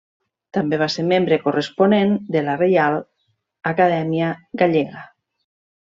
També va ser membre corresponent de la Reial Acadèmia Gallega.